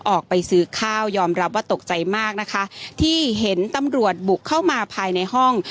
ออกไปซื้อข้าวยอมรับว่าตกใจมากนะคะที่เห็นตำรวจบุกเข้ามาภายในห้อง